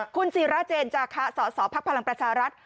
คุณศิราเจนจาคะสสพลังประชารัฐ